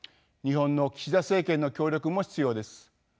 日本の岸田政権の協力も必要です。